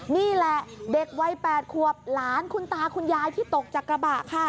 นี่แหละเด็กวัย๘ขวบหลานคุณตาคุณยายที่ตกจากกระบะค่ะ